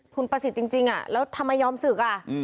คุณประสิทธิ์จริงแล้วทำไมยอมศึก